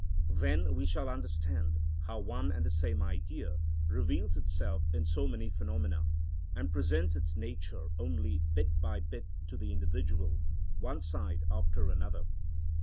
Then we shall understand how one and the same Idea reveals itself in so many phenomena, and presents its nature only bit by bit to the individual, one side after another.